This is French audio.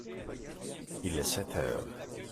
Il est sept heures.